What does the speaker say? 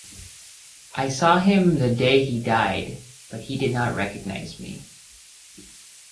I saw him the day he died, but he did not recognize me.